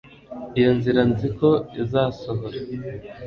iyo nzira nzi ko izasohora